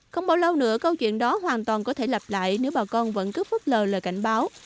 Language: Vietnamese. không bao lâu nữa câu chuyện đó hoàn toàn có thể lặp lại nếu bà con vẫn cứ phất lờ lời cảnh báo